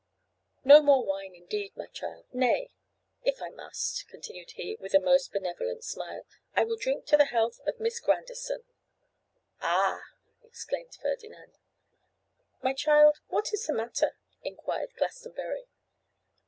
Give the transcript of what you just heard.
'No more wine indeed, my child. Nay! if I must,' continued he, with a most benevolent smile, 'I will drink to the health of Miss Grandison!' 'Ah!' exclaimed Ferdinand. 'My child, what is the matter?' inquired Glastonbury.